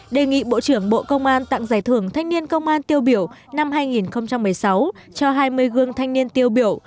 đề nghị bộ trưởng bộ công an tặng giải thưởng thanh niên công an tiêu biểu năm hai nghìn một mươi sáu cho hai mươi gương thanh niên tiêu biểu